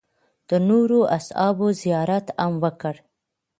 د نورو اصحابو زیارت هم وکړ.